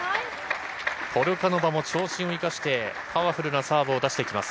ポルカノバも長身を生かしてパワフルなサーブを出していきます。